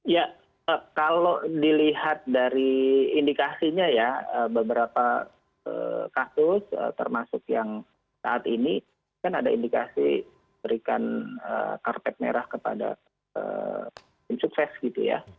ya kalau dilihat dari indikasinya ya beberapa kasus termasuk yang saat ini kan ada indikasi berikan karpet merah kepada pensukses gitu ya